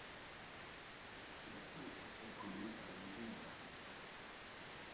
La tour est accolée à la maison du gardien.